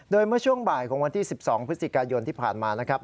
โดยเมื่อช่วงบ่ายของวันที่๑๒พฤศจิกายนที่ผ่านมานะครับ